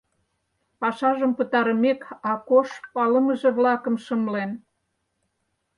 Пашажым пытарымек, Акош палымыже-влакым шымлен.